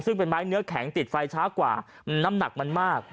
ซึ่งเป็นไม้เนื้อแข็งติดไฟช้ากว่าน้ำหนักมันมาก